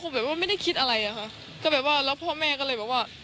แบบว่าไม่ได้คิดอะไรอะค่ะก็แบบว่าแล้วพ่อแม่ก็เลยแบบว่า